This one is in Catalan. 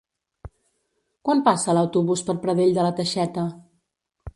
Quan passa l'autobús per Pradell de la Teixeta?